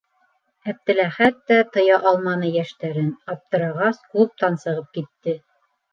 Әптеләхәт тә тыя алманы йәштәрен, аптырағас, клубтан сығып китте.